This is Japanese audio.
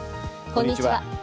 こんにちは。